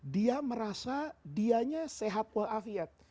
dia merasa dianya sehat walafiat